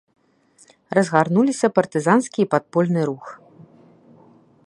Разгарнулася партызанскі і падпольны рух.